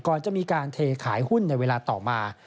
ก่อนจะมีการเทขายหุ้นในเวลาต่อมา